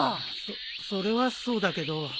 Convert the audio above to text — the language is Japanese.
そっそれはそうだけど。